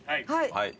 はい。